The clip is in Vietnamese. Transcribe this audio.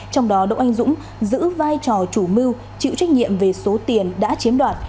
trong đó đỗ anh dũng giữ vai trò chủ mưu chịu trách nhiệm về số tiền đã chiếm đoạt